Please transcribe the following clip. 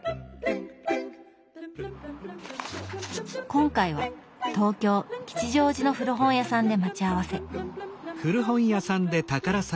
今回は東京・吉祥寺の古本屋さんで待ち合わせ。